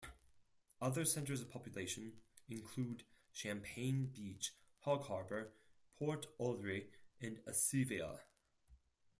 Other centers of population include Champagne Beach, Hogharbour, Port Olry, and Aseviah.